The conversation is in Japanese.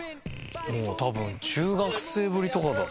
もう多分中学生ぶりとかだ。